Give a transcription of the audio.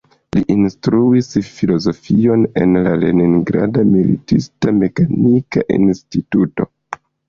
Li instruis filozofion en la Leningrada Militista Mekanika Instituto.